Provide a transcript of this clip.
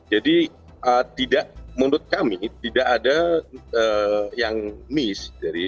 jadi tidak menurut kami tidak ada yang miss